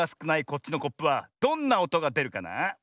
こっちのコップはどんなおとがでるかな？